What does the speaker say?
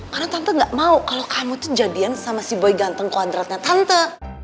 karena tante gak mau kalo kamu tuh jadian sama si boy ganteng kwadratnya tante